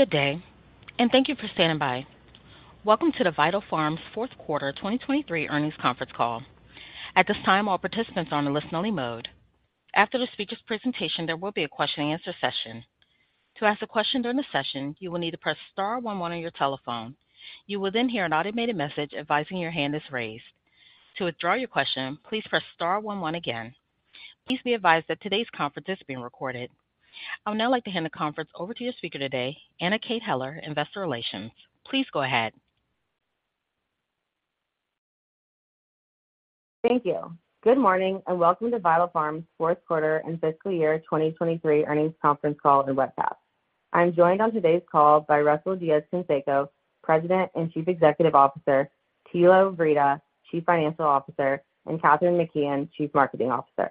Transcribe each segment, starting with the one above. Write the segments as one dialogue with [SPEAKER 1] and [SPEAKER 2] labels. [SPEAKER 1] Good day, and thank you for standing by. Welcome to the Vital Farms' fourth quarter 2023 earnings conference call. At this time, all participants are on a listen-only mode. After the speaker's presentation, there will be a question-and-answer session. To ask a question during the session, you will need to press star one one on your telephone. You will then hear an automated message advising your hand is raised. To withdraw your question, please press star one one again. Please be advised that today's conference is being recorded. I would now like to hand the conference over to your speaker today, Anna Kate Heller, Investor Relations. Please go ahead.
[SPEAKER 2] Thank you. Good morning, and welcome to Vital Farms' fourth quarter and fiscal year 2023 earnings conference call and webcast. I'm joined on today's call by Russell Diez-Canseco, President and Chief Executive Officer, Thilo Wrede, Chief Financial Officer, and Kathryn McKeon, Chief Marketing Officer.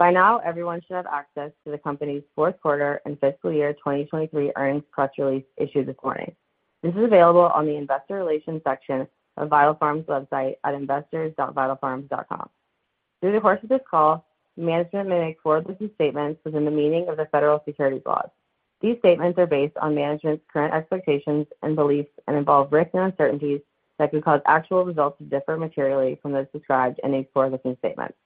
[SPEAKER 2] By now, everyone should have access to the company's fourth quarter and fiscal year 2023 earnings press release issued this morning. This is available on the investor relations section of Vital Farms' website at investors.vitalfarms.com. During the course of this call, management may make forward-looking statements within the meaning of the federal securities laws. These statements are based on management's current expectations and beliefs and involve risks and uncertainties that could cause actual results to differ materially from those described in these forward-looking statements.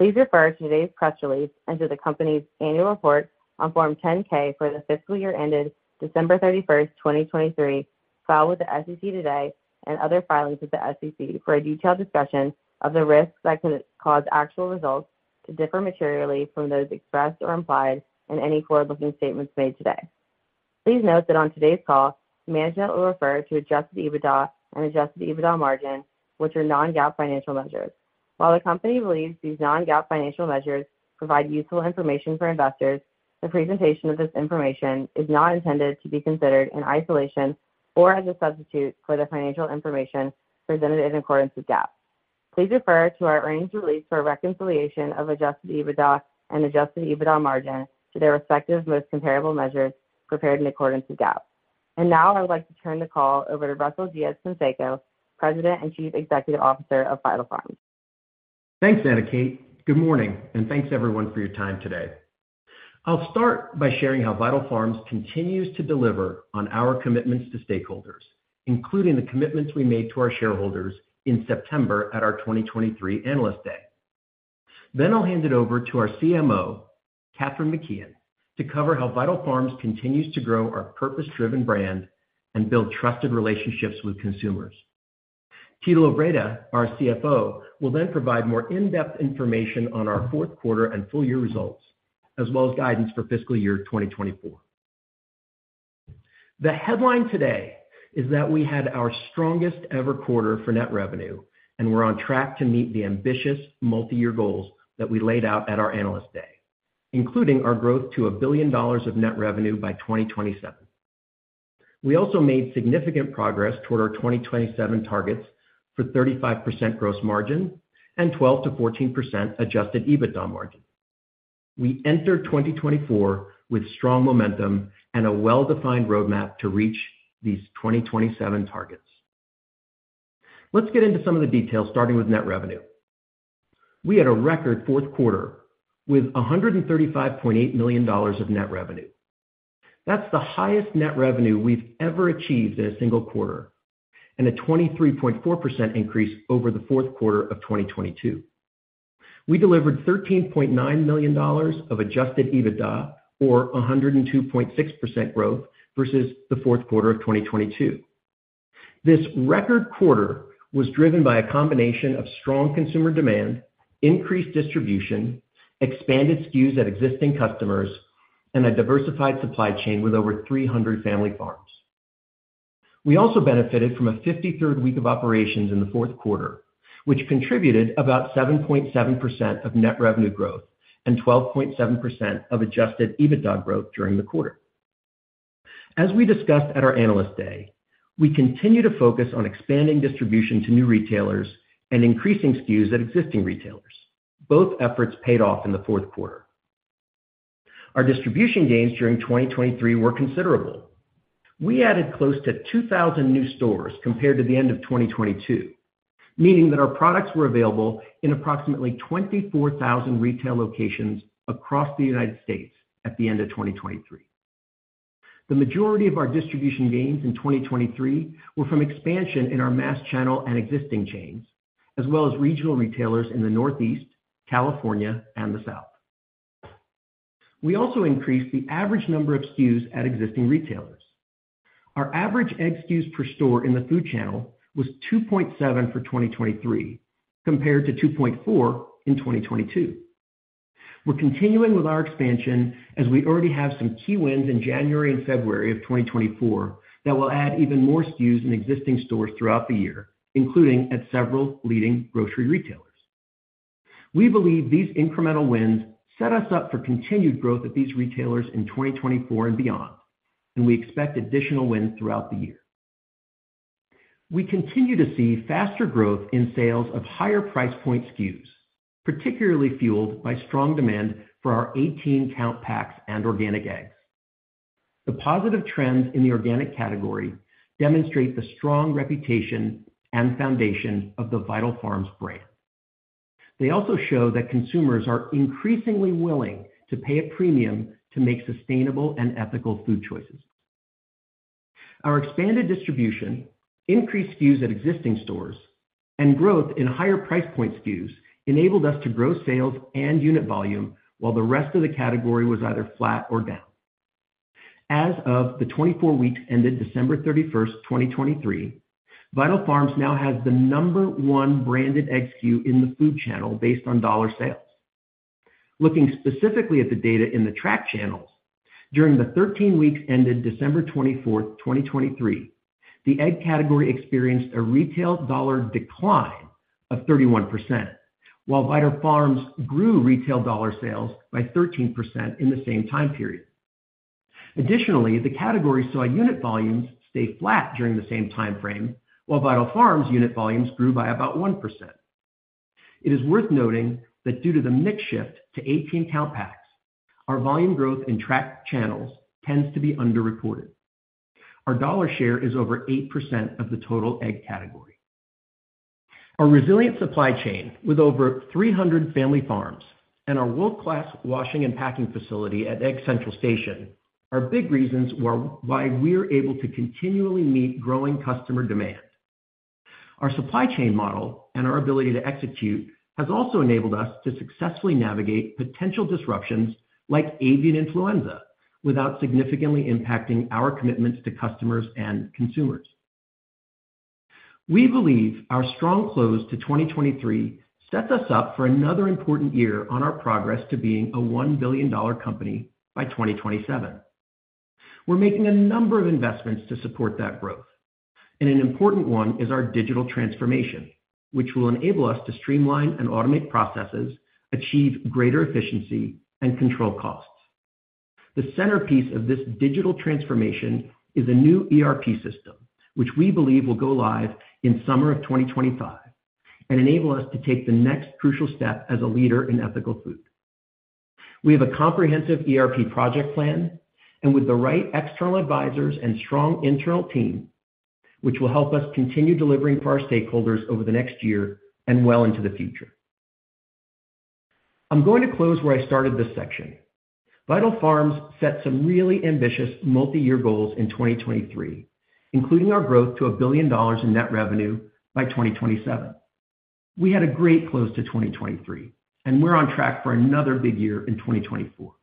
[SPEAKER 2] Please refer to today's press release and to the company's annual report on Form 10-K for the fiscal year ended December 31, 2023, filed with the SEC today and other filings with the SEC for a detailed discussion of the risks that can cause actual results to differ materially from those expressed or implied in any forward-looking statements made today. Please note that on today's call, management will refer to Adjusted EBITDA and Adjusted EBITDA margin, which are non-GAAP financial measures. While the company believes these non-GAAP financial measures provide useful information for investors, the presentation of this information is not intended to be considered in isolation or as a substitute for the financial information presented in accordance with GAAP. Please refer to our earnings release for a reconciliation of Adjusted EBITDA and Adjusted EBITDA margin to their respective most comparable measures prepared in accordance with GAAP. Now I would like to turn the call over to Russell Diez-Canseco, President and Chief Executive Officer of Vital Farms.
[SPEAKER 3] Thanks, Anna Kate. Good morning, and thanks everyone for your time today. I'll start by sharing how Vital Farms continues to deliver on our commitments to stakeholders, including the commitments we made to our shareholders in September at our 2023 Analyst Day. Then I'll hand it over to our CMO, Kathryn McKeon, to cover how Vital Farms continues to grow our purpose-driven brand and build trusted relationships with consumers. Thilo Wrede, our CFO, will then provide more in-depth information on our fourth quarter and full year results, as well as guidance for fiscal year 2024. The headline today is that we had our strongest ever quarter for net revenue, and we're on track to meet the ambitious multi-year goals that we laid out at our Analyst Day, including our growth to $1 billion of net revenue by 2027. We also made significant progress toward our 2027 targets for 35% gross margin and 12%-14% adjusted EBITDA margin. We entered 2024 with strong momentum and a well-defined roadmap to reach these 2027 targets. Let's get into some of the details, starting with net revenue. We had a record fourth quarter with $135.8 million of net revenue. That's the highest net revenue we've ever achieved in a single quarter and a 23.4% increase over the fourth quarter of 2022. We delivered $13.9 million of adjusted EBITDA, or a 102.6% growth versus the fourth quarter of 2022. This record quarter was driven by a combination of strong consumer demand, increased distribution, expanded SKUs at existing customers, and a diversified supply chain with over 300 family farms. We also benefited from a 53rd week of operations in the fourth quarter, which contributed about 7.7% of net revenue growth and 12.7% of adjusted EBITDA growth during the quarter. As we discussed at our Analyst Day, we continue to focus on expanding distribution to new retailers and increasing SKUs at existing retailers. Both efforts paid off in the fourth quarter. Our distribution gains during 2023 were considerable. We added close to 2,000 new stores compared to the end of 2022, meaning that our products were available in approximately 24,000 retail locations across the United States at the end of 2023. The majority of our distribution gains in 2023 were from expansion in our mass channel and existing chains, as well as regional retailers in the Northeast, California, and the South. We also increased the average number of SKUs at existing retailers. Our average egg SKUs per store in the food channel was 2.7 for 2023, compared to 2.4 in 2022. We're continuing with our expansion as we already have some key wins in January and February of 2024 that will add even more SKUs in existing stores throughout the year, including at several leading grocery retailers. We believe these incremental wins set us up for continued growth at these retailers in 2024 and beyond, and we expect additional wins throughout the year. We continue to see faster growth in sales of higher price point SKUs, particularly fueled by strong demand for our 18-count packs and organic eggs. The positive trends in the organic category demonstrate the strong reputation and foundation of the Vital Farms brand. They also show that consumers are increasingly willing to pay a premium to make sustainable and ethical food choices. Our expanded distribution, increased SKUs at existing stores, and growth in higher price point SKUs enabled us to grow sales and unit volume, while the rest of the category was either flat or down. As of the 24 weeks ended December 31, 2023, Vital Farms now has the number one branded egg SKU in the food channel based on dollar sales. Looking specifically at the data in the tracked channels, during the 13 weeks ended December 24, 2023, the egg category experienced a retail dollar decline of 31%, while Vital Farms grew retail dollar sales by 13% in the same time period. Additionally, the category saw unit volumes stay flat during the same time frame, while Vital Farms unit volumes grew by about 1%. It is worth noting that due to the mix shift to 18-count packs, our volume growth in tracked channels tends to be underreported. Our dollar share is over 8% of the total egg category. Our resilient supply chain, with over 300 family farms and our world-class washing and packing facility at Egg Central Station, are big reasons why we're able to continually meet growing customer demand. Our supply chain model and our ability to execute has also enabled us to successfully navigate potential disruptions like avian influenza, without significantly impacting our commitments to customers and consumers. We believe our strong close to 2023 sets us up for another important year on our progress to being a $1 billion company by 2027. We're making a number of investments to support that growth, and an important one is our digital transformation, which will enable us to streamline and automate processes, achieve greater efficiency, and control costs. The centerpiece of this digital transformation is a new ERP system, which we believe will go live in summer of 2025 and enable us to take the next crucial step as a leader in ethical food. We have a comprehensive ERP project plan, and with the right external advisors and strong internal team, which will help us continue delivering for our stakeholders over the next year and well into the future. I'm going to close where I started this section. Vital Farms set some really ambitious multi-year goals in 2023, including our growth to $1 billion in net revenue by 2027. We had a great close to 2023, and we're on track for another big year in 2024.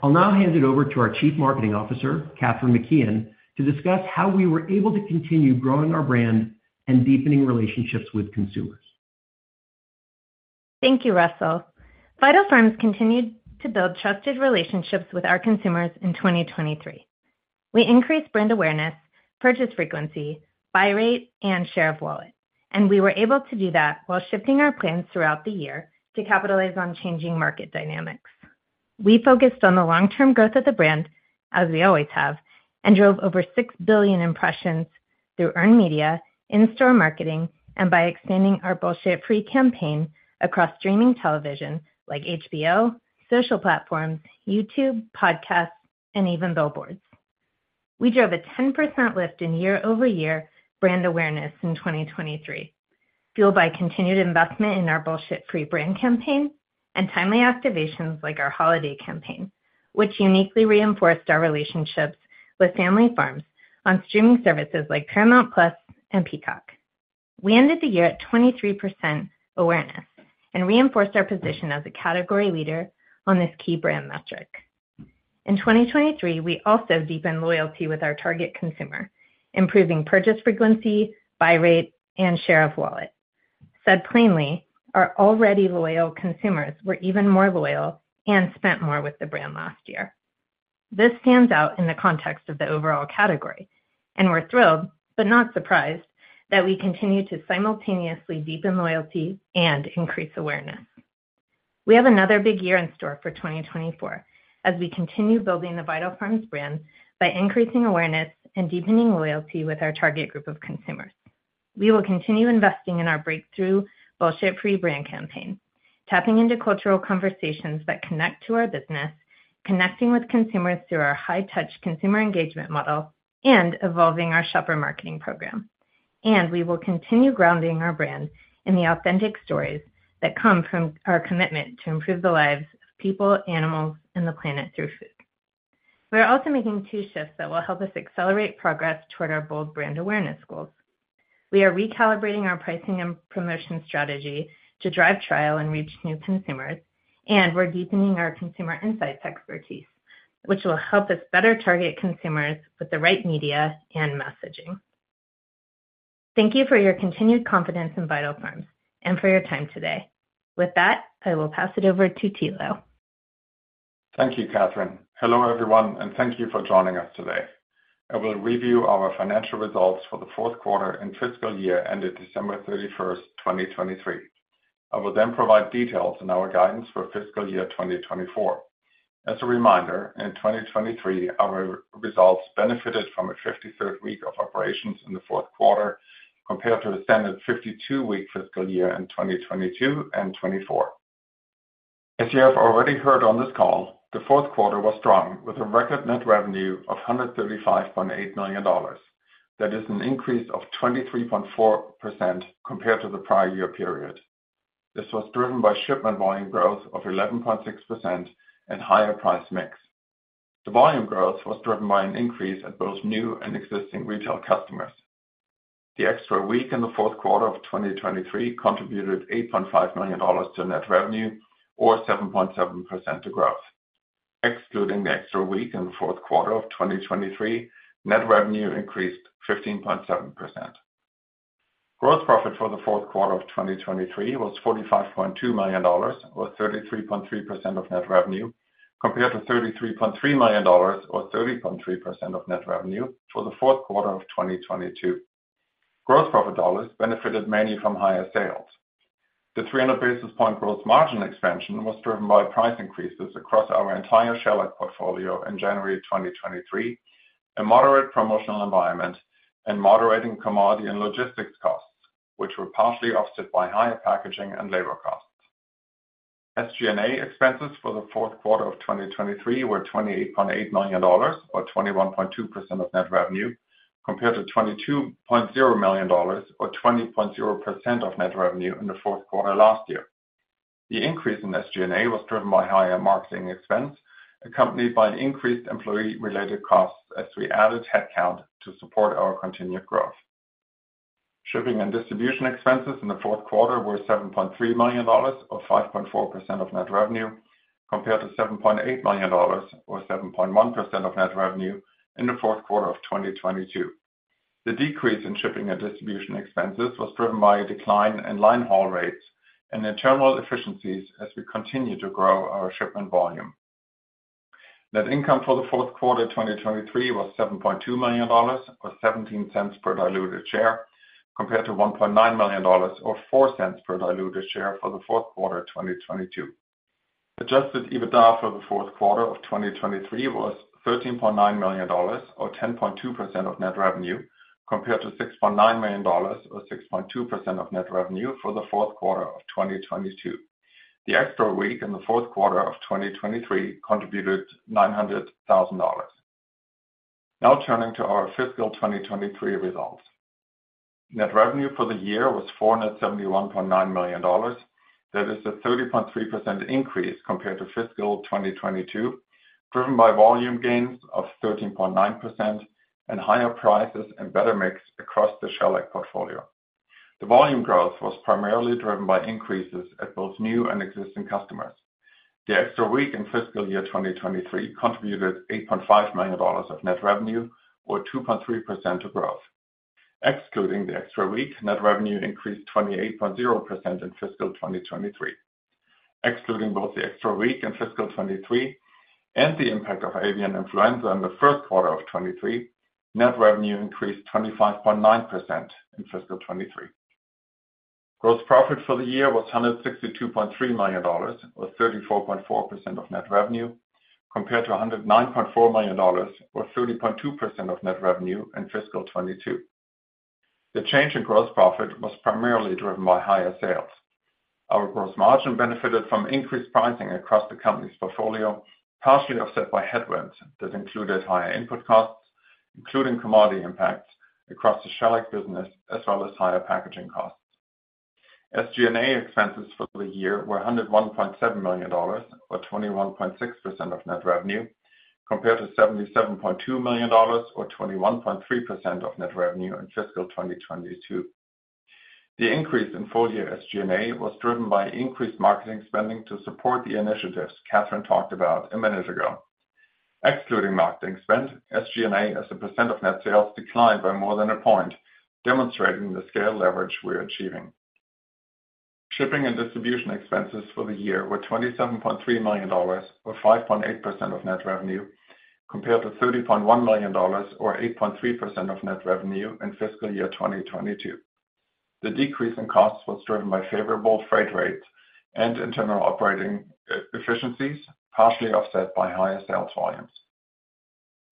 [SPEAKER 3] I'll now hand it over to our Chief Marketing Officer, Kathryn McKeon, to discuss how we were able to continue growing our brand and deepening relationships with consumers.
[SPEAKER 4] Thank you, Russell. Vital Farms continued to build trusted relationships with our consumers in 2023. We increased brand awareness, purchase frequency, buy rate, and share of wallet, and we were able to do that while shifting our plans throughout the year to capitalize on changing market dynamics. We focused on the long-term growth of the brand, as we always have, and drove over 6 billion impressions through earned media, in-store marketing, and by extending our Bullshit Free campaign across streaming television, like HBO, social platforms, YouTube, podcasts, and even billboards. We drove a 10% lift in year-over-year brand awareness in 2023, fueled by continued investment in our Bullshit Free brand campaign and timely activations like our holiday campaign, which uniquely reinforced our relationships with family farms on streaming services like Paramount+ and Peacock. We ended the year at 23% awareness and reinforced our position as a category leader on this key brand metric. In 2023, we also deepened loyalty with our target consumer, improving purchase frequency, buy rate, and share of wallet. Said plainly, our already loyal consumers were even more loyal and spent more with the brand last year. This stands out in the context of the overall category, and we're thrilled, but not surprised, that we continue to simultaneously deepen loyalty and increase awareness. We have another big year in store for 2024, as we continue building the Vital Farms brand by increasing awareness and deepening loyalty with our target group of consumers. We will continue investing in our breakthrough Bullshit Free brand campaign, tapping into cultural conversations that connect to our business, connecting with consumers through our high-touch consumer engagement model, and evolving our shopper marketing program. We will continue grounding our brand in the authentic stories that come from our commitment to improve the lives of people, animals, and the planet through food. We are also making two shifts that will help us accelerate progress toward our bold brand awareness goals. We are recalibrating our pricing and promotion strategy to drive trial and reach new consumers, and we're deepening our consumer insights expertise, which will help us better target consumers with the right media and messaging. Thank you for your continued confidence in Vital Farms and for your time today. With that, I will pass it over to Thilo.
[SPEAKER 5] Thank you, Kathryn. Hello, everyone, and thank you for joining us today. I will review our financial results for the fourth quarter and fiscal year ended December 31, 2023. I will then provide details on our guidance for fiscal year 2024. As a reminder, in 2023, our results benefited from a 53rd week of operations in the fourth quarter compared to the standard 52-week fiscal year in 2022 and 2024.... As you have already heard on this call, the fourth quarter was strong, with a record net revenue of $135.8 million. That is an increase of 23.4% compared to the prior year period. This was driven by shipment volume growth of 11.6% and higher price mix. The volume growth was driven by an increase at both new and existing retail customers. The extra week in the fourth quarter of 2023 contributed $8.5 million to net revenue, or 7.7% to growth. Excluding the extra week in the fourth quarter of 2023, net revenue increased 15.7%. Gross profit for the fourth quarter of 2023 was $45.2 million, or 33.3% of net revenue, compared to $33.3 million, or 30.3% of net revenue for the fourth quarter of 2022. Gross profit dollars benefited mainly from higher sales. The 300 basis point gross margin expansion was driven by price increases across our entire shell eggs portfolio in January 2023, a moderate promotional environment, and moderating commodity and logistics costs, which were partially offset by higher packaging and labor costs. SG&A expenses for the fourth quarter of 2023 were $28.8 million, or 21.2% of net revenue, compared to $22.0 million, or 20.0% of net revenue in the fourth quarter last year. The increase in SG&A was driven by higher marketing expense, accompanied by an increased employee-related costs, as we added headcount to support our continued growth. Shipping and distribution expenses in the fourth quarter were $7.3 million, or 5.4% of net revenue, compared to $7.8 million, or 7.1% of net revenue, in the fourth quarter of 2022. The decrease in shipping and distribution expenses was driven by a decline in line haul rates and internal efficiencies as we continue to grow our shipment volume. Net income for the fourth quarter, 2023, was $7.2 million, or $0.17 per diluted share, compared to $1.9 million, or $0.04 per diluted share for the fourth quarter, 2022. Adjusted EBITDA for the fourth quarter of 2023 was $13.9 million, or 10.2% of net revenue, compared to $6.9 million, or 6.2% of net revenue for the fourth quarter of 2022. The extra week in the fourth quarter of 2023 contributed $900,000. Now turning to our fiscal 2023 results. Net revenue for the year was $471.9 million. That is a 30.3% increase compared to fiscal 2022, driven by volume gains of 13.9% and higher prices and better mix across the shell eggs portfolio. The volume growth was primarily driven by increases at both new and existing customers. The extra week in fiscal year 2023 contributed $8.5 million of net revenue, or 2.3% of growth. Excluding the extra week, net revenue increased 28.0% in fiscal 2023. Excluding both the extra week in fiscal 2023 and the impact of avian influenza in the first quarter of 2023, net revenue increased 25.9% in fiscal 2023. Gross profit for the year was $162.3 million, or 34.4% of net revenue, compared to $109.4 million, or 30.2% of net revenue in fiscal 2022. The change in gross profit was primarily driven by higher sales. Our gross margin benefited from increased pricing across the company's portfolio, partially offset by headwinds that included higher input costs, including commodity impacts across the shell egg business, as well as higher packaging costs. SG&A expenses for the year were $101.7 million, or 21.6% of net revenue, compared to $77.2 million, or 21.3% of net revenue in fiscal 2022. The increase in full-year SG&A was driven by increased marketing spending to support the initiatives Kathryn talked about a minute ago. Excluding marketing spend, SG&A, as a percent of net sales, declined by more than a point, demonstrating the scale leverage we're achieving. Shipping and distribution expenses for the year were $27.3 million, or 5.8% of net revenue, compared to $30.1 million, or 8.3% of net revenue in fiscal year 2022. The decrease in costs was driven by favorable freight rates and internal operating efficiencies, partially offset by higher sales volumes.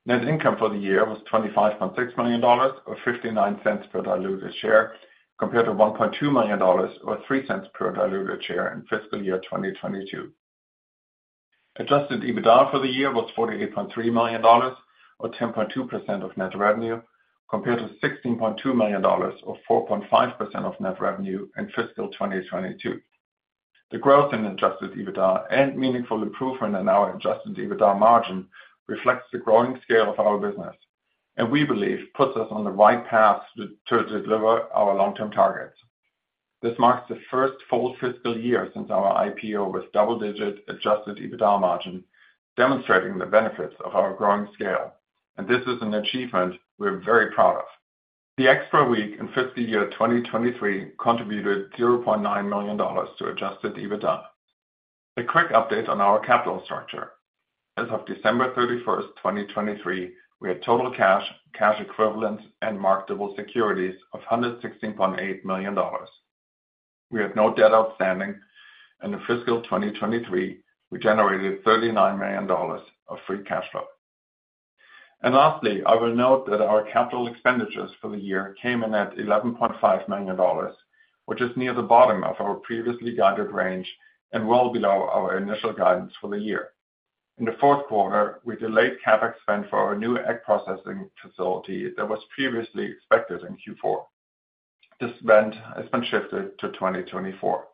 [SPEAKER 5] Net income for the year was $25.6 million, or $0.59 per diluted share, compared to $1.2 million, or $0.03 per diluted share in fiscal year 2022. Adjusted EBITDA for the year was $48.3 million, or 10.2% of net revenue, compared to $16.2 million, or 4.5% of net revenue in fiscal 2022. The growth in adjusted EBITDA and meaningful improvement in our adjusted EBITDA margin reflects the growing scale of our business, and we believe puts us on the right path to deliver our long-term targets. This marks the first full fiscal year since our IPO with double-digit adjusted EBITDA margin, demonstrating the benefits of our growing scale, and this is an achievement we're very proud of. The extra week in fiscal year 2023 contributed $0.9 million to adjusted EBITDA. A quick update on our capital structure. As of December 31, 2023, we had total cash, cash equivalents, and marketable securities of $116.8 million. We have no debt outstanding, and in fiscal 2023, we generated $39 million of free cash flow. And lastly, I will note that our capital expenditures for the year came in at $11.5 million, which is near the bottom of our previously guided range and well below our initial guidance for the year. In the fourth quarter, we delayed CapEx spend for our new egg processing facility that was previously expected in Q4. This spend has been shifted to 2024.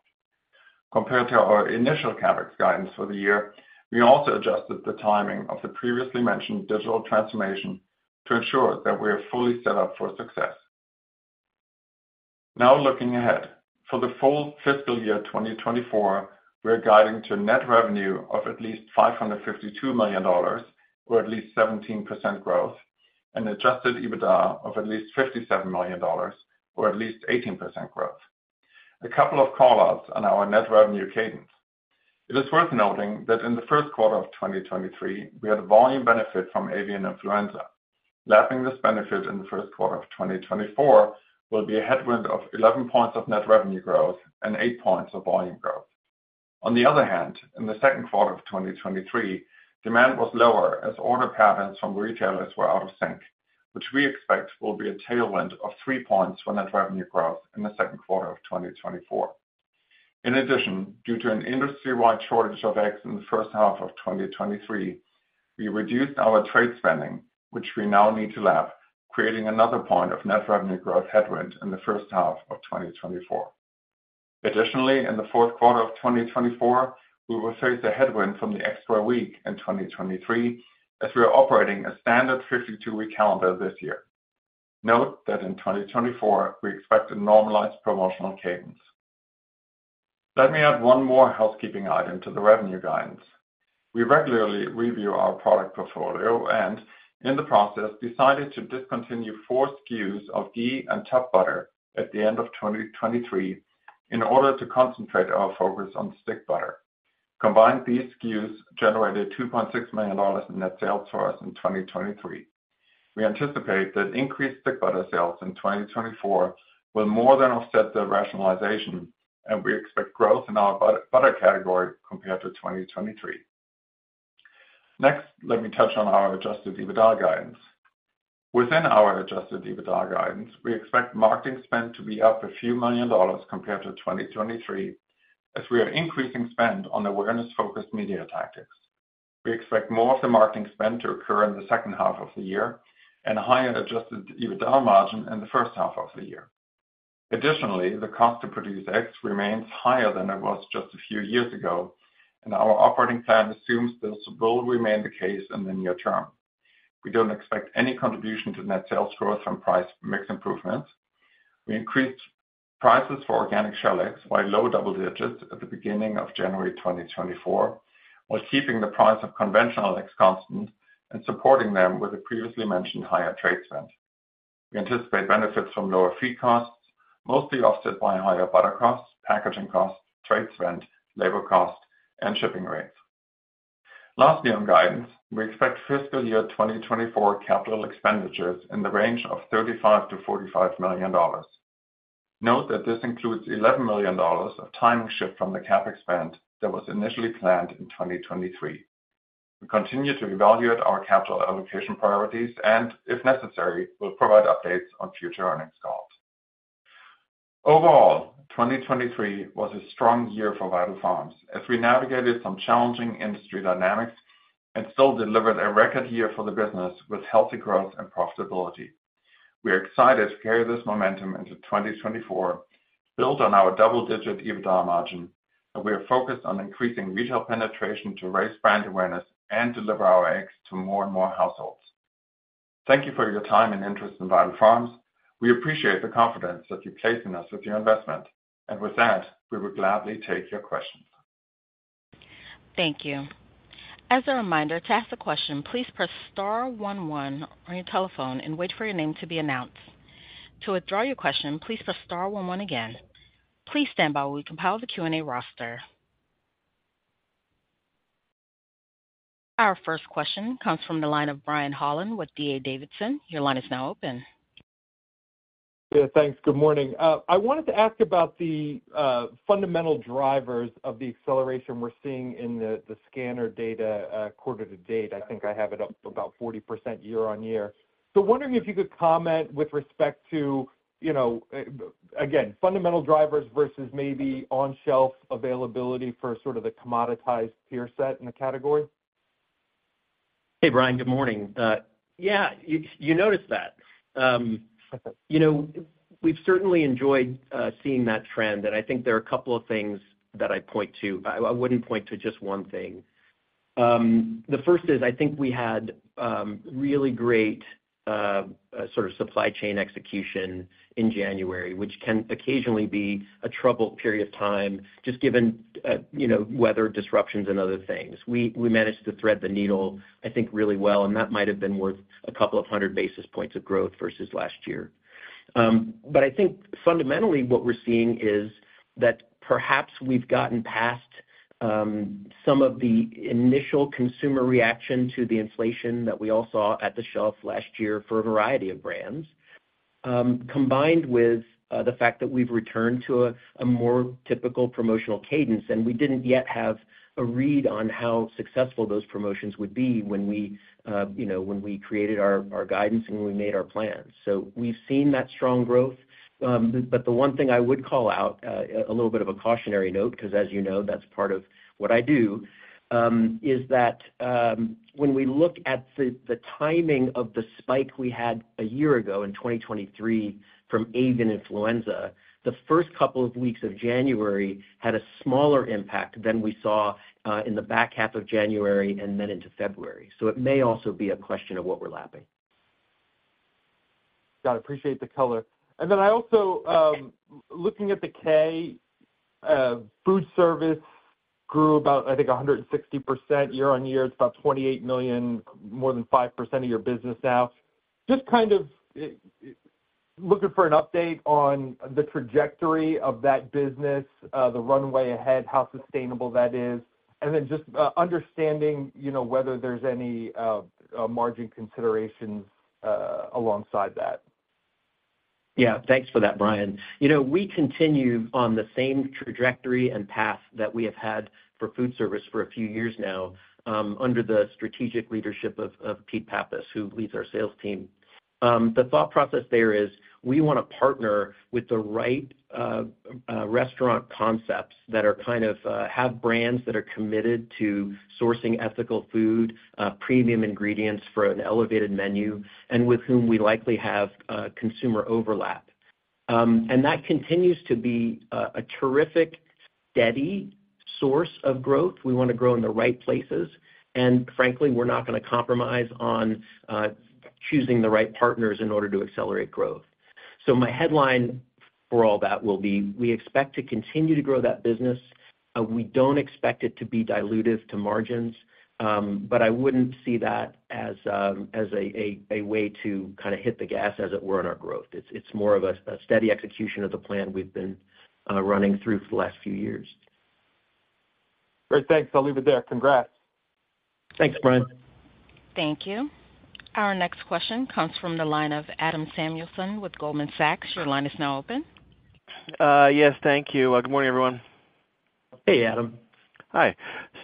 [SPEAKER 5] Compared to our initial CapEx guidance for the year, we also adjusted the timing of the previously mentioned digital transformation to ensure that we are fully set up for success. Now, looking ahead, for the full fiscal year 2024, we are guiding to net revenue of at least $552 million, or at least 17% growth, and adjusted EBITDA of at least $57 million, or at least 18% growth. A couple of call-outs on our net revenue cadence. It is worth noting that in the first quarter of 2023, we had a volume benefit from avian influenza. Lapping this benefit in the first quarter of 2024 will be a headwind of 11 points of net revenue growth and eight points of volume growth. On the other hand, in the second quarter of 2023, demand was lower as order patterns from retailers were out of sync, which we expect will be a tailwind of three points for net revenue growth in the second quarter of 2024. In addition, due to an industry-wide shortage of eggs in the first half of 2023, we reduced our trade spending, which we now need to lap, creating another point of net revenue growth headwind in the first half of 2024. Additionally, in the fourth quarter of 2024, we will face a headwind from the extra week in 2023, as we are operating a standard 52-week calendar this year. Note that in 2024, we expect a normalized promotional cadence. Let me add one more housekeeping item to the revenue guidance. We regularly review our product portfolio and, in the process, decided to discontinue four SKUs of ghee and tub butter at the end of 2023 in order to concentrate our focus on stick butter. Combined, these SKUs generated $2.6 million in net sales for us in 2023. We anticipate that increased stick butter sales in 2024 will more than offset the rationalization, and we expect growth in our butter, butter category compared to 2023. Next, let me touch on our Adjusted EBITDA guidance. Within our Adjusted EBITDA guidance, we expect marketing spend to be up a few million dollars compared to 2023, as we are increasing spend on awareness-focused media tactics. We expect more of the marketing spend to occur in the second half of the year and a higher Adjusted EBITDA margin in the first half of the year. Additionally, the cost to produce eggs remains higher than it was just a few years ago, and our operating plan assumes this will remain the case in the near term. We don't expect any contribution to net sales growth from price mix improvements. We increased prices for organic shell eggs by low double digits at the beginning of January 2024, while keeping the price of conventional eggs constant and supporting them with the previously mentioned higher trade spend. We anticipate benefits from lower feed costs, mostly offset by higher butter costs, packaging costs, trade spend, labor costs, and shipping rates. Lastly, on guidance, we expect fiscal year 2024 capital expenditures in the range of $35 million-$45 million. Note that this includes $11 million of timing shift from the CapEx spend that was initially planned in 2023. We continue to evaluate our capital allocation priorities and, if necessary, will provide updates on future earnings calls. Overall, 2023 was a strong year for Vital Farms as we navigated some challenging industry dynamics and still delivered a record year for the business with healthy growth and profitability. We are excited to carry this momentum into 2024, build on our double-digit EBITDA margin, and we are focused on increasing retail penetration to raise brand awareness and deliver our eggs to more and more households. Thank you for your time and interest in Vital Farms. We appreciate the confidence that you place in us with your investment. And with that, we will gladly take your questions.
[SPEAKER 1] Thank you. As a reminder, to ask a question, please press star one one on your telephone and wait for your name to be announced. To withdraw your question, please press star one one again. Please stand by while we compile the Q&A roster. Our first question comes from the line of Brian Holland with D.A. Davidson. Your line is now open.
[SPEAKER 6] Yeah, thanks. Good morning. I wanted to ask about the fundamental drivers of the acceleration we're seeing in the scanner data quarter to date. I think I have it up about 40% year-on-year. So wondering if you could comment with respect to, you know, again, fundamental drivers versus maybe on-shelf availability for sort of the commoditized peer set in the category.
[SPEAKER 3] Hey, Brian, good morning. Yeah, you noticed that. You know, we've certainly enjoyed seeing that trend, and I think there are a couple of things that I'd point to. I wouldn't point to just one thing. The first is, I think we had really great sort of supply chain execution in January, which can occasionally be a troubled period of time, just given you know, weather disruptions and other things. We managed to thread the needle, I think, really well, and that might have been worth a couple of hundred basis points of growth versus last year. But I think fundamentally what we're seeing is that perhaps we've gotten past some of the initial consumer reaction to the inflation that we all saw at the shelf last year for a variety of brands.... combined with the fact that we've returned to a more typical promotional cadence, and we didn't yet have a read on how successful those promotions would be when we, you know, when we created our guidance and when we made our plans. So we've seen that strong growth. But the one thing I would call out, a little bit of a cautionary note, because as you know, that's part of what I do, is that, when we look at the timing of the spike we had a year ago in 2023 from avian influenza, the first couple of weeks of January had a smaller impact than we saw in the back half of January and then into February. So it may also be a question of what we're lapping.
[SPEAKER 6] Got it. Appreciate the color. And then I also, looking at the K, foodservice grew about, I think, 160% year-over-year. It's about $28 million, more than 5% of your business now. Just kind of, looking for an update on the trajectory of that business, the runway ahead, how sustainable that is, and then just, understanding, you know, whether there's any, margin considerations, alongside that.
[SPEAKER 3] Yeah, thanks for that, Brian. You know, we continue on the same trajectory and path that we have had for foodservice for a few years now, under the strategic leadership of Pete Pappas, who leads our sales team. The thought process there is, we wanna partner with the right restaurant concepts that are kind of have brands that are committed to sourcing ethical food, premium ingredients for an elevated menu, and with whom we likely have consumer overlap. And that continues to be a terrific, steady source of growth. We want to grow in the right places, and frankly, we're not gonna compromise on choosing the right partners in order to accelerate growth. So my headline for all that will be, we expect to continue to grow that business. We don't expect it to be dilutive to margins, but I wouldn't see that as a way to kind of hit the gas, as it were, on our growth. It's more of a steady execution of the plan we've been running through for the last few years.
[SPEAKER 6] Great, thanks. I'll leave it there. Congrats.
[SPEAKER 3] Thanks, Brian.
[SPEAKER 1] Thank you. Our next question comes from the line of Adam Samuelson with Goldman Sachs. Your line is now open.
[SPEAKER 7] Yes, thank you. Good morning, everyone.
[SPEAKER 3] Hey, Adam.
[SPEAKER 7] Hi.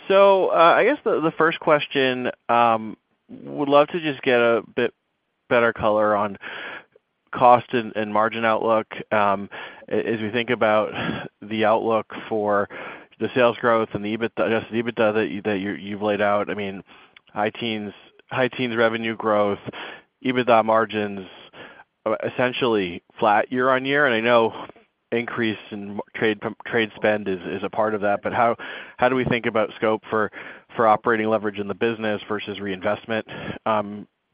[SPEAKER 7] So, I guess the first question would love to just get a bit better color on cost and margin outlook. As we think about the outlook for the sales growth and the EBITDA, I guess, the EBITDA that you've laid out, I mean, high teens revenue growth, EBITDA margins, essentially flat year-over-year, and I know increase in trade spend is a part of that, but how do we think about scope for operating leverage in the business versus reinvestment,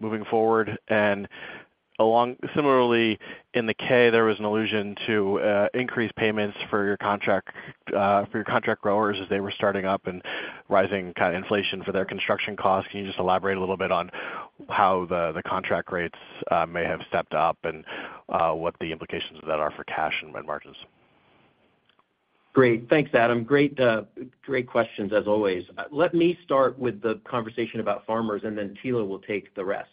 [SPEAKER 7] moving forward? And along similarly, in the 10-K, there was an allusion to increased payments for your contract growers as they were starting up and rising kind of inflation for their construction costs. Can you just elaborate a little bit on how the contract rates may have stepped up and what the implications of that are for cash and net margins?
[SPEAKER 3] Great. Thanks, Adam. Great, great questions, as always. Let me start with the conversation about farmers, and then Thilo will take the rest.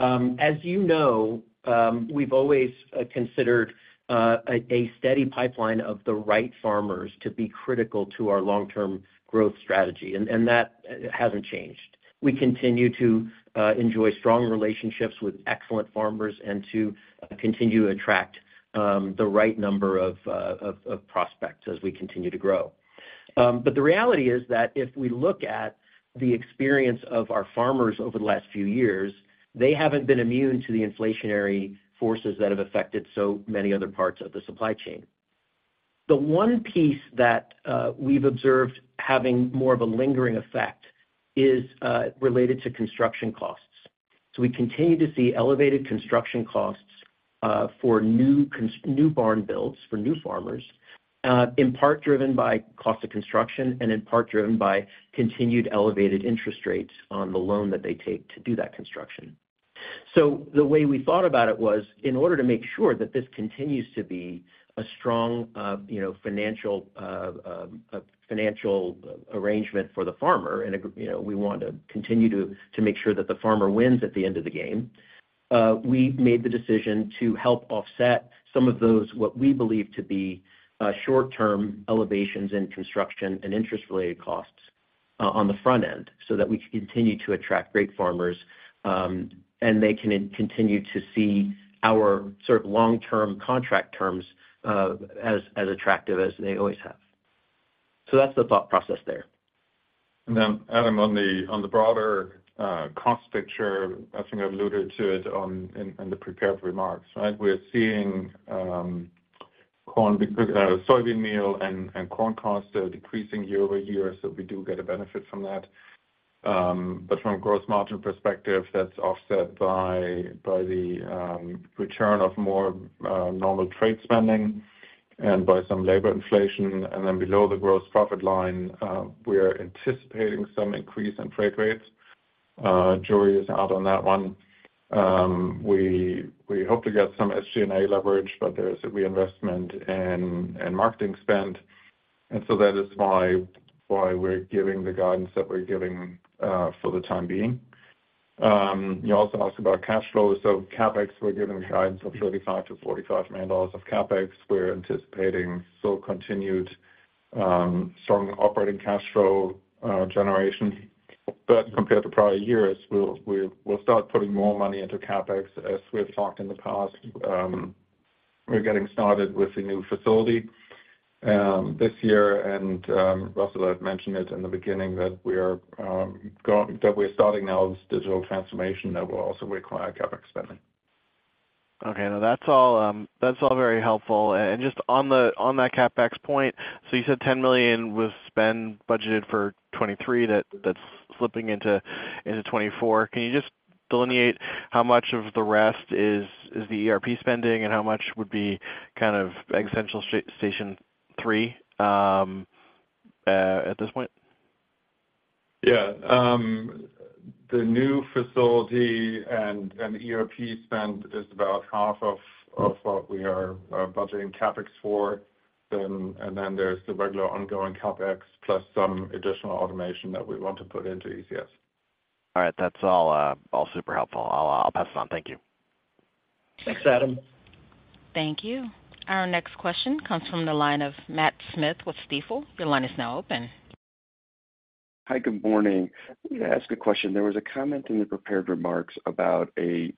[SPEAKER 3] As you know, we've always considered a steady pipeline of the right farmers to be critical to our long-term growth strategy, and that hasn't changed. We continue to enjoy strong relationships with excellent farmers and to continue to attract the right number of prospects as we continue to grow. But the reality is that if we look at the experience of our farmers over the last few years, they haven't been immune to the inflationary forces that have affected so many other parts of the supply chain. The one piece that we've observed having more of a lingering effect is related to construction costs. So we continue to see elevated construction costs for new barn builds, for new farmers, in part driven by cost of construction and in part driven by continued elevated interest rates on the loan that they take to do that construction. So the way we thought about it was, in order to make sure that this continues to be a strong, you know, financial arrangement for the farmer, and, you know, we want to continue to make sure that the farmer wins at the end of the game, we made the decision to help offset some of those, what we believe to be, short-term elevations in construction and interest-related costs, on the front end, so that we can continue to attract great farmers, and they can continue to see our sort of long-term contract terms, as attractive as they always have. So that's the thought process there.
[SPEAKER 5] Then, Adam, on the broader cost picture, I think I've alluded to it in the prepared remarks, right? We're seeing corn, soybean meal and corn costs are decreasing year-over-year, so we do get a benefit from that. But from a gross margin perspective, that's offset by the return of more normal trade spending and by some labor inflation, and then below the gross profit line, we are anticipating some increase in freight rates. Jury is out on that one. We hope to get some SG&A leverage, but there is a reinvestment in marketing spend. And so that is why we're giving the guidance that we're giving for the time being. You also asked about cash flows. So CapEx, we're giving guidance of $35 million-$45 million of CapEx. We're anticipating still continued, strong operating cash flow generation. But compared to prior years, we'll start putting more money into CapEx, as we have talked in the past. We're getting started with the new facility, this year, and, Russell had mentioned it in the beginning, that we are, that we're starting now this digital transformation that will also require CapEx spending.
[SPEAKER 7] Okay, now that's all, that's all very helpful. Just on the—on that CapEx point, so you said $10 million was spend budgeted for 2023, that's slipping into 2024. Can you just delineate how much of the rest is the ERP spending, and how much would be kind of Egg Central Station Three at this point?
[SPEAKER 5] Yeah. The new facility and ERP spend is about half of what we are budgeting CapEx for. Then there's the regular ongoing CapEx, plus some additional automation that we want to put into ECS.
[SPEAKER 7] All right. That's all, super helpful. I'll pass it on. Thank you.
[SPEAKER 3] Thanks, Adam.
[SPEAKER 1] Thank you. Our next question comes from the line of Matt Smith with Stifel. Your line is now open.
[SPEAKER 8] Hi, good morning. Let me ask a question. There was a comment in the prepared remarks about a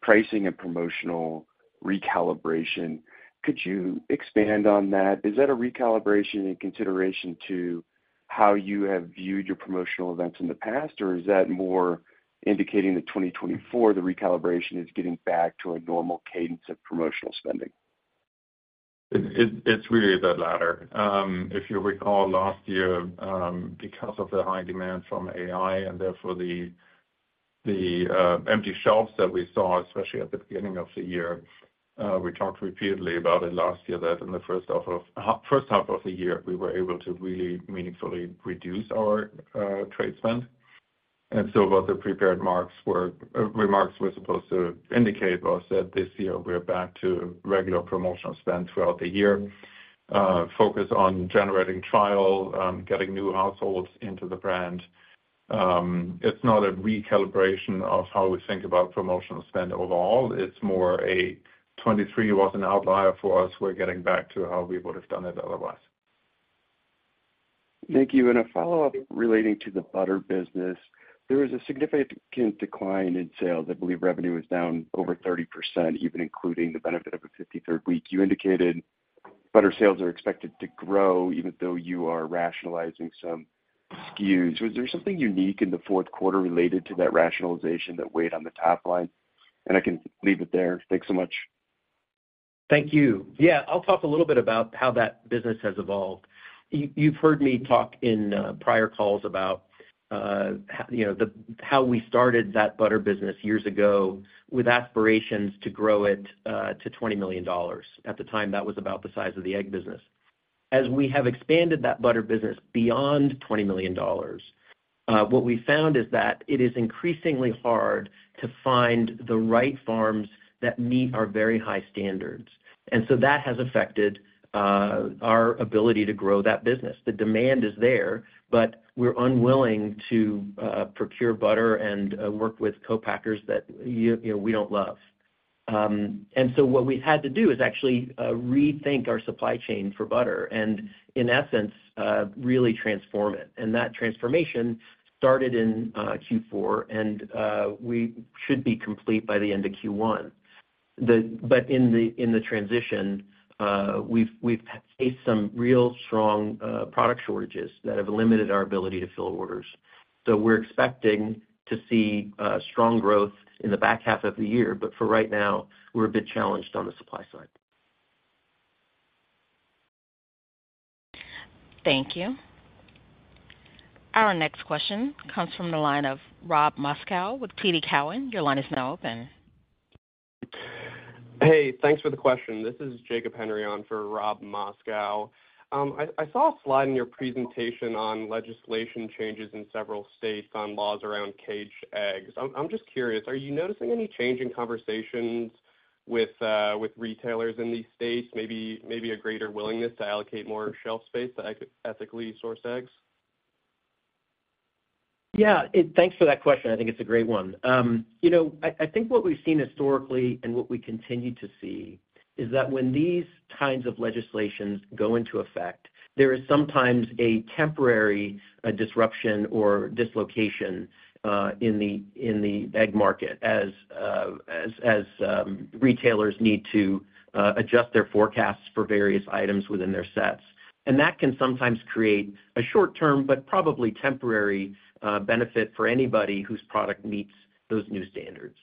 [SPEAKER 8] pricing and promotional recalibration. Could you expand on that? Is that a recalibration in consideration to how you have viewed your promotional events in the past, or is that more indicating that 2024, the recalibration is getting back to a normal cadence of promotional spending?
[SPEAKER 5] It's really the latter. If you recall, last year, because of the high demand from AI, and therefore the empty shelves that we saw, especially at the beginning of the year, we talked repeatedly about it last year, that in the first half of the year, we were able to really meaningfully reduce our trade spend. And so what the prepared remarks were supposed to indicate was that this year, we're back to regular promotional spend throughout the year, focus on generating trial, getting new households into the brand. It's not a recalibration of how we think about promotional spend overall. It's more a 2023 was an outlier for us. We're getting back to how we would've done it otherwise.
[SPEAKER 8] Thank you. A follow-up relating to the butter business. There was a significant decline in sales. I believe revenue was down over 30%, even including the benefit of a 53rd week. You indicated butter sales are expected to grow, even though you are rationalizing some SKUs. Was there something unique in the fourth quarter related to that rationalization that weighed on the top line? And I can leave it there. Thanks so much.
[SPEAKER 3] Thank you. Yeah, I'll talk a little bit about how that business has evolved. You've heard me talk in prior calls about how, you know, how we started that butter business years ago, with aspirations to grow it to $20 million. At the time, that was about the size of the egg business. As we have expanded that butter business beyond $20 million, what we found is that it is increasingly hard to find the right farms that meet our very high standards, and so that has affected our ability to grow that business. The demand is there, but we're unwilling to procure butter and work with co-packers that, you know, we don't love. And so what we've had to do is actually rethink our supply chain for butter, and in essence, really transform it. And that transformation started in Q4, and we should be complete by the end of Q1. But in the transition, we've faced some real strong product shortages that have limited our ability to fill orders. So we're expecting to see strong growth in the back half of the year, but for right now, we're a bit challenged on the supply side.
[SPEAKER 1] Thank you. Our next question comes from the line of Rob Moskow with TD Cowen. Your line is now open.
[SPEAKER 9] Hey, thanks for the question. This is Jacob Henrion for Robert Moskow. I saw a slide in your presentation on legislation changes in several states on laws around cage eggs. I'm just curious, are you noticing any change in conversations with retailers in these states? Maybe a greater willingness to allocate more shelf space to ethically sourced eggs?
[SPEAKER 3] Yeah. Thanks for that question. I think it's a great one. You know, I think what we've seen historically and what we continue to see is that when these kinds of legislations go into effect, there is sometimes a temporary disruption or dislocation in the egg market as retailers need to adjust their forecasts for various items within their sets. And that can sometimes create a short term, but probably temporary, benefit for anybody whose product meets those new standards.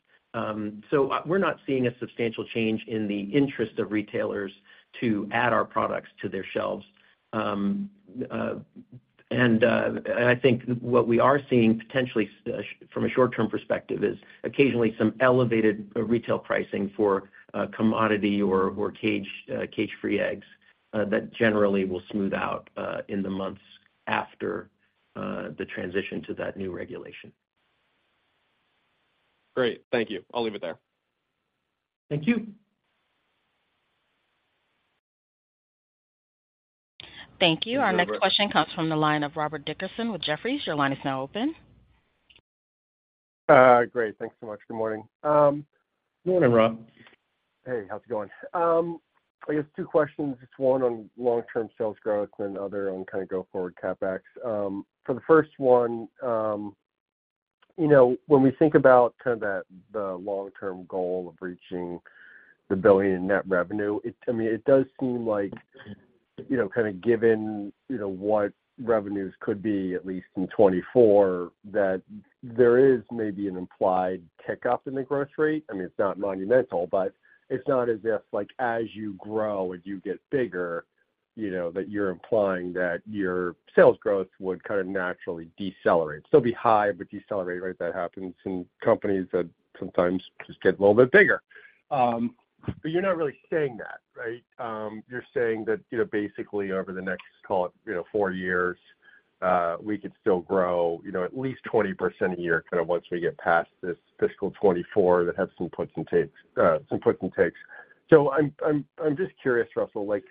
[SPEAKER 3] So, we're not seeing a substantial change in the interest of retailers to add our products to their shelves. I think what we are seeing potentially, from a short-term perspective, is occasionally some elevated retail pricing for commodity or cage-free eggs that generally will smooth out in the months after the transition to that new regulation.
[SPEAKER 9] Great. Thank you. I'll leave it there.
[SPEAKER 3] Thank you.
[SPEAKER 1] Thank you. Our next question comes from the line of Robert Dickerson with Jefferies. Your line is now open.
[SPEAKER 10] Great. Thanks so much. Good morning.
[SPEAKER 3] Good morning, Rob.
[SPEAKER 10] Hey, how's it going? I guess two questions, just one on long-term sales growth and other on kind of go forward CapEx. For the first one, you know, when we think about kind of that, the long-term goal of reaching $1 billion in net revenue, it, I mean, it does seem like, you know, kind of given, you know, what revenues could be, at least in 2024, that there is maybe an implied kick-up in the growth rate. I mean, it's not monumental, but it's not as if, like, as you grow, as you get bigger, you know, that you're implying that your sales growth would kind of naturally decelerate. Still be high, but decelerate, right? That happens in companies that sometimes just get a little bit bigger. But you're not really saying that, right? You're saying that, you know, basically over the next, call it, you know, 4 years, we could still grow, you know, at least 20% a year, kind of once we get past this fiscal 2024 that have some puts and takes, some puts and takes. So I'm just curious, Russell, like,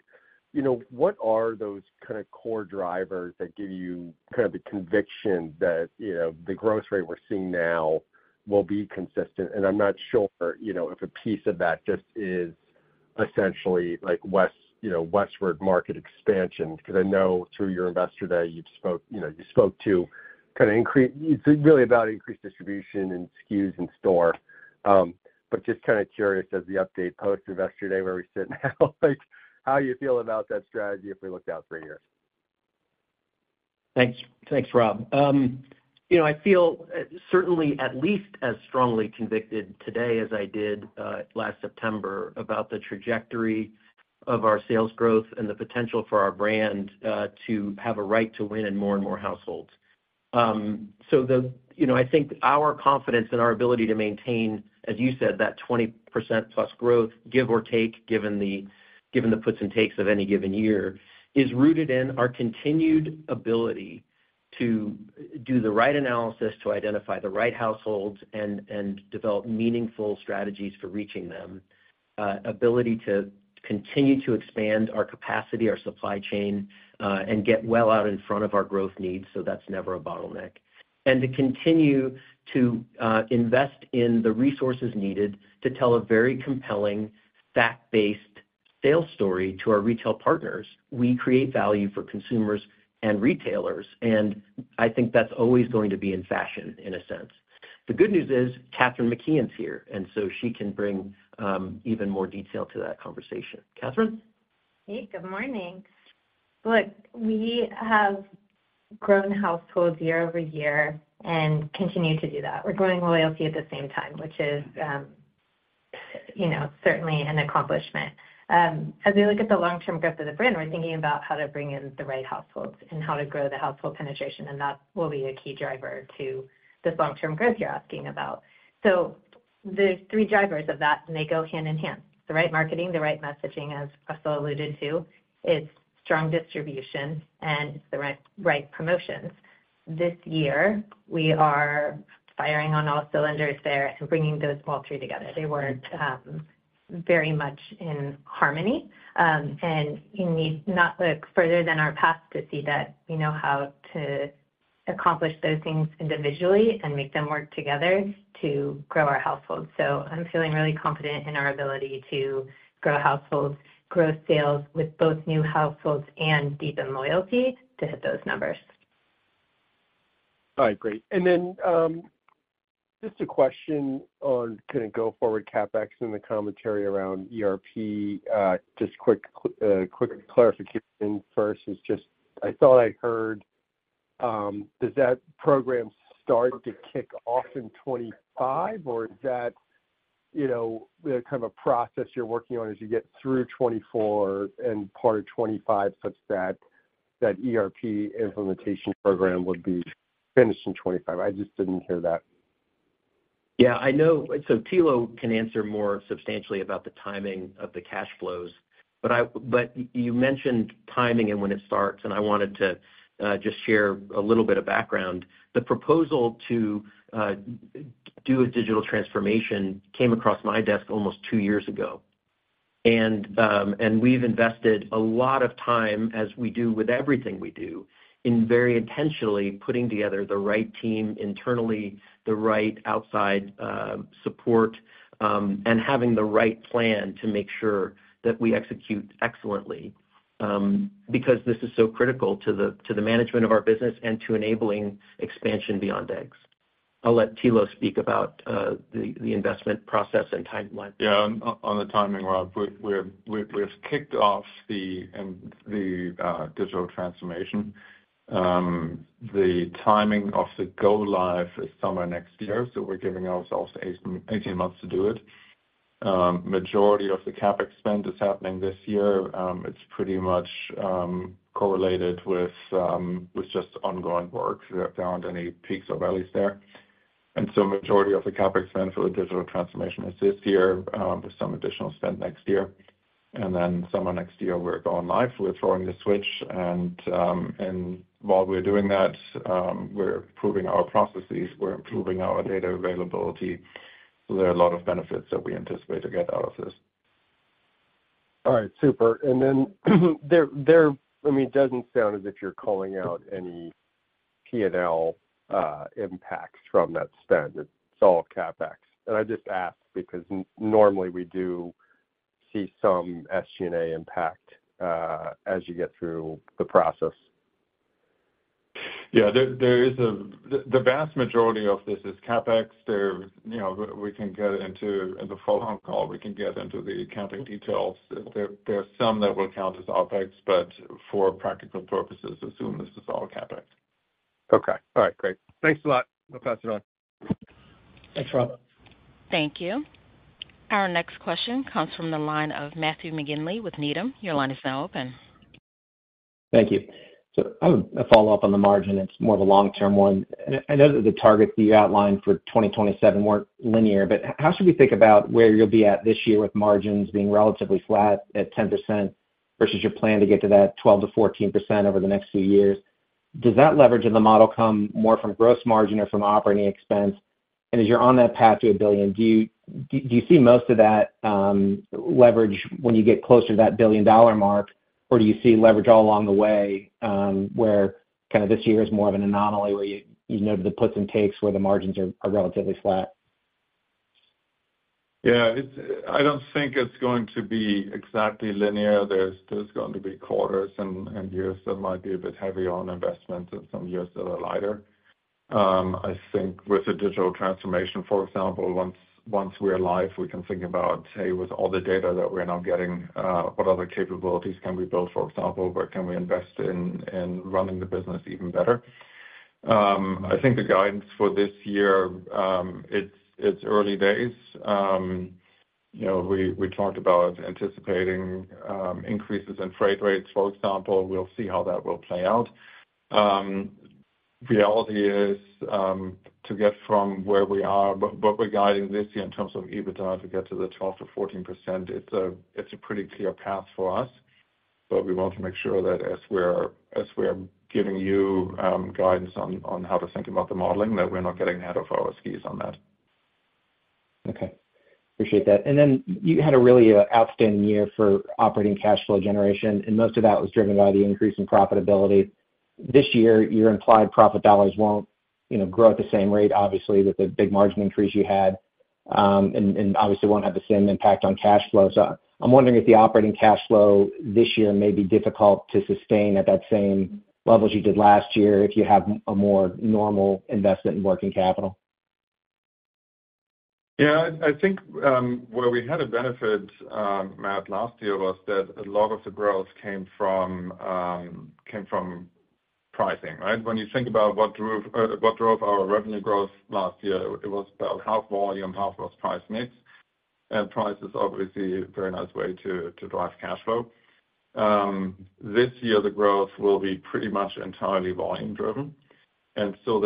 [SPEAKER 10] you know, what are those kind of core drivers that give you kind of the conviction that, you know, the growth rate we're seeing now will be consistent? And I'm not sure, you know, if a piece of that just is essentially like west, you know, westward market expansion, because I know through your Investor Day, you spoke, you know, you spoke to kind of increase, it's really about increased distribution and SKUs in store. Just kind of curious as the update post Investor Day, where we sit now, like, how you feel about that strategy if we look out three years?
[SPEAKER 3] Thanks. Thanks, Rob. You know, I feel certainly at least as strongly convicted today as I did last September about the trajectory of our sales growth and the potential for our brand to have a right to win in more and more households. So the... You know, I think our confidence in our ability to maintain, as you said, that 20%+ growth, give or take, given the puts and takes of any given year, is rooted in our continued ability to do the right analysis, to identify the right households and develop meaningful strategies for reaching them. Ability to continue to expand our capacity, our supply chain and get well out in front of our growth needs, so that's never a bottleneck. And to continue to invest in the resources needed to tell a very compelling, fact-based sales story to our retail partners. We create value for consumers and retailers, and I think that's always going to be in fashion in a sense. The good news is, Kathryn McKeon's here, and so she can bring even more detail to that conversation. Kathryn?
[SPEAKER 4] Hey, good morning. Look, we have grown households year over year and continue to do that. We're growing loyalty at the same time, which is, you know, certainly an accomplishment. As we look at the long-term growth of the brand, we're thinking about how to bring in the right households and how to grow the household penetration, and that will be a key driver to this long-term growth you're asking about. So the three drivers of that, and they go hand in hand, the right marketing, the right messaging, as Russell alluded to, it's strong distribution and the right, right promotions. This year, we are firing on all cylinders there and bringing those all three together. They weren't very much in harmony, and you need not look further than our past to see that we know how to accomplish those things individually and make them work together to grow our households. So I'm feeling really confident in our ability to grow households, grow sales with both new households and deepen loyalty to hit those numbers.
[SPEAKER 10] All right, great. And then, just a question on kind of go forward CapEx and the commentary around ERP. Just quick clarification first is just, I thought I heard, does that program start to kick off in 2025, or is that, you know, the kind of a process you're working on as you get through 2024 and part of 2025, such that that ERP implementation program would be finished in 2025? I just didn't hear that.
[SPEAKER 3] Yeah, I know. So Thilo can answer more substantially about the timing of the cash flows. But I but you mentioned timing and when it starts, and I wanted to just share a little bit of background. The proposal to do a digital transformation came across my desk almost two years ago. And we've invested a lot of time, as we do with everything we do, in very intentionally putting together the right team internally, the right outside support, and having the right plan to make sure that we execute excellently, because this is so critical to the management of our business and to enabling expansion beyond eggs. I'll let Thilo speak about the investment process and timeline.
[SPEAKER 5] Yeah, on the timing, Rob, we've kicked off the digital transformation. The timing of the go live is summer next year, so we're giving ourselves eight to 18 months to do it. Majority of the CapEx spend is happening this year. It's pretty much correlated with just ongoing work. We don't have any peaks or valleys there. And so majority of the CapEx spend for the digital transformation is this year, with some additional spend next year and then somewhere next year, we're going live. We're throwing the switch, and while we're doing that, we're improving our processes, we're improving our data availability. So there are a lot of benefits that we anticipate to get out of this.
[SPEAKER 10] All right, super. And then, I mean, it doesn't sound as if you're calling out any P&L impacts from that spend. It's all CapEx. And I just ask because normally we do see some SG&A impact as you get through the process.
[SPEAKER 5] Yeah, the vast majority of this is CapEx. You know, we can get into the accounting details in the full call. There are some that will count as OpEx, but for practical purposes, assume this is all CapEx.
[SPEAKER 10] Okay. All right, great. Thanks a lot. I'll pass it on.
[SPEAKER 3] Thanks, Robert.
[SPEAKER 1] Thank you. Our next question comes from the line of Matthew McGinley with Needham. Your line is now open.
[SPEAKER 11] Thank you. I have a follow-up on the margin. It's more of a long-term one. I know that the targets that you outlined for 2027 weren't linear, but how should we think about where you'll be at this year with margins being relatively flat at 10% versus your plan to get to that 12%-14% over the next few years? Does that leverage in the model come more from gross margin or from operating expense? And as you're on that path to $1 billion, do you see most of that leverage when you get closer to that billion-dollar mark? Or do you see leverage all along the way, where kind of this year is more of an anomaly, where you know, the puts and takes, where the margins are relatively flat?
[SPEAKER 5] Yeah, it's. I don't think it's going to be exactly linear. There's going to be quarters and years that might be a bit heavy on investment and some years that are lighter. I think with the digital transformation, for example, once we are live, we can think about, say, with all the data that we're now getting, what other capabilities can we build, for example, where can we invest in running the business even better? I think the guidance for this year, it's early days. You know, we talked about anticipating increases in freight rates, for example. We'll see how that will play out. Reality is, to get from where we are, but we're guiding this year in terms of EBITDA, to get to the 12%-14%, it's a pretty clear path for us, but we want to make sure that as we're giving you guidance on how to think about the modeling, that we're not getting ahead of our skis on that.
[SPEAKER 11] Okay. Appreciate that. And then you had a really outstanding year for operating cash flow generation, and most of that was driven by the increase in profitability. This year, your implied profit dollars won't, you know, grow at the same rate, obviously, with the big margin increase you had, and, and obviously won't have the same impact on cash flows. I'm wondering if the operating cash flow this year may be difficult to sustain at that same levels you did last year, if you have a more normal investment in working capital.
[SPEAKER 5] Yeah, I think where we had a benefit, Matt, last year was that a lot of the growth came from pricing, right? When you think about what drove our revenue growth last year, it was about half volume, half price mix, and price is obviously a very nice way to drive cash flow. This year, the growth will be pretty much entirely volume driven, and so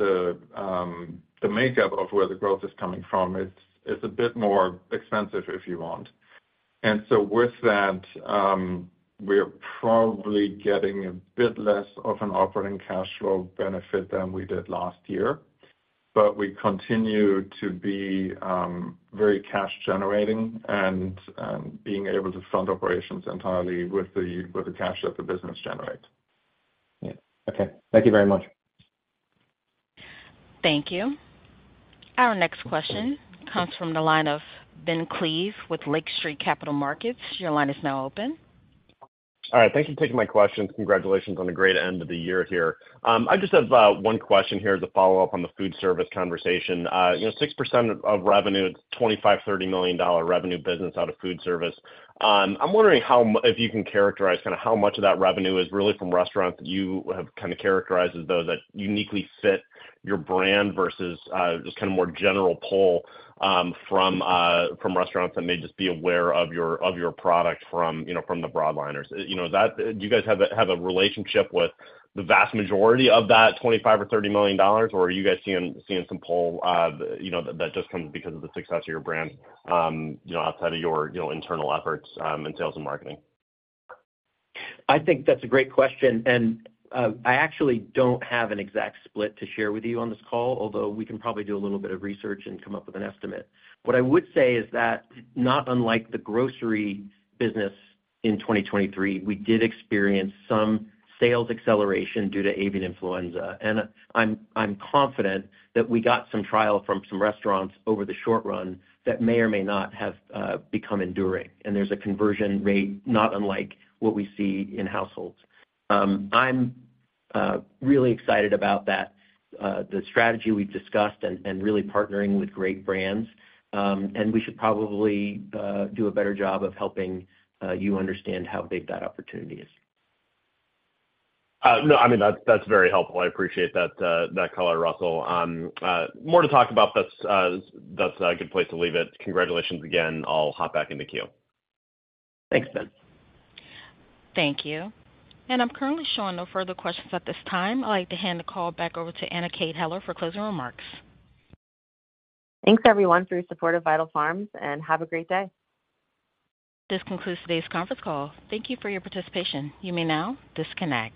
[SPEAKER 5] the makeup of where the growth is coming from is a bit more expensive, if you want. And so with that, we're probably getting a bit less of an operating cash flow benefit than we did last year, but we continue to be very cash generating and being able to fund operations entirely with the cash that the business generates.
[SPEAKER 11] Yeah. Okay. Thank you very much.
[SPEAKER 1] Thank you. Our next question comes from the line of Ben Klieve with Lake Street Capital Markets. Your line is now open.
[SPEAKER 12] All right, thank you for taking my questions. Congratulations on a great end of the year here. I just have one question here as a follow-up on the foodservice conversation. You know, 6% of revenue, $25 million-$30 million-dollar revenue business out of foodservice. I'm wondering how much—if you can characterize kind of how much of that revenue is really from restaurants that you have kind of characterized as those that uniquely fit your brand versus just kind of more general pull from restaurants that may just be aware of your product from, you know, from the broadliners. You know, do you guys have a relationship with the vast majority of that $25 million or $30 million, or are you guys seeing some pull, you know, that just comes because of the success of your brand, you know, outside of your, you know, internal efforts, and sales and marketing?
[SPEAKER 3] I think that's a great question, and, I actually don't have an exact split to share with you on this call, although we can probably do a little bit of research and come up with an estimate. What I would say is that, not unlike the grocery business in 2023, we did experience some sales acceleration due to avian influenza, and I'm confident that we got some trial from some restaurants over the short run that may or may not have, become enduring. And there's a conversion rate, not unlike what we see in households. I'm really excited about that, the strategy we've discussed and, really partnering with great brands. And we should probably, do a better job of helping, you understand how big that opportunity is.
[SPEAKER 12] No, I mean, that's very helpful. I appreciate that, that color, Russell. More to talk about this. That's a good place to leave it. Congratulations again. I'll hop back in the queue.
[SPEAKER 3] Thanks, Ben.
[SPEAKER 1] Thank you. I'm currently showing no further questions at this time. I'd like to hand the call back over to Anna Kate Heller for closing remarks.
[SPEAKER 10] Thanks, everyone, for your support of Vital Farms, and have a great day.
[SPEAKER 1] This concludes today's conference call. Thank you for your participation. You may now disconnect.